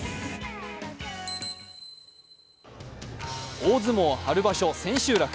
大相撲春場所千秋楽。